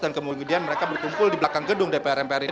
dan kemudian mereka berkumpul di belakang gedung dpr mpr ini